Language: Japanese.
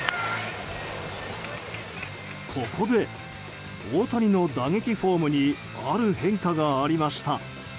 ここで、大谷の打撃フォームにある変化がありました。